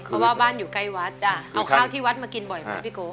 เพราะว่าบ้านอยู่ใกล้วัดจ้ะเอาข้าวที่วัดมากินบ่อยไหมพี่โก